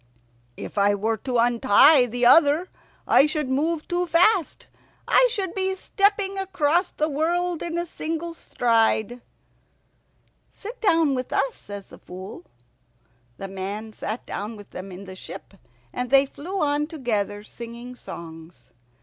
"If I were to untie the other I should move too fast. I should be stepping across the world in a single stride." "Sit down with us," says the Fool. The man sat down with them in the ship, and they flew on together singing songs.